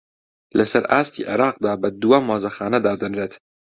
لەسەر ئاستی عێراقدا بە دووەم مۆزەخانە دادەنرێت